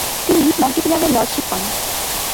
তিনি মন্টেপিলারের লর্ডশিপ পান।